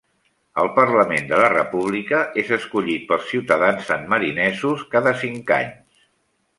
El Parlament de la República és escollit pels ciutadans sanmarinesos cada cinc anys.